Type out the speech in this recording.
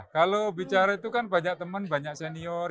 kalau bicara itu kan banyak teman banyak senior